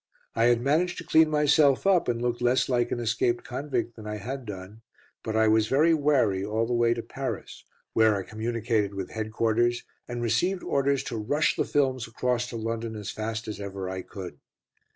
I had managed to clean myself up, and looked less like an escaped convict than I had done; but I was very wary all the way to Paris, where I communicated with headquarters, and received orders to rush the films across to London as fast as ever I could.